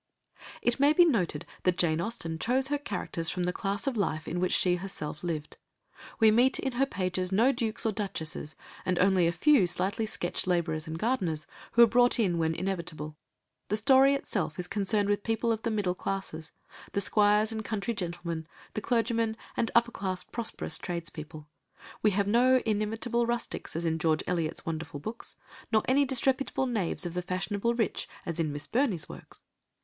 It may be noted that Jane Austen chose her characters from the class of life in which she herself lived, we meet in her pages no dukes or duchesses, and only a few slightly sketched labourers and gardeners, who are brought in when inevitable; the story itself is concerned with people of the middle classes, the squires and country gentlemen, the clergymen, and upper class prosperous tradespeople. We have no inimitable rustics as in George Eliot's wonderful books, nor any disreputable knaves of the fashionable rich as in Miss Burney's works.